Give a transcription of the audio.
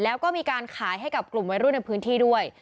แล้วก็มีการขายให้กับกลุ่มวัยรุ่นในพื้นที่ด้วย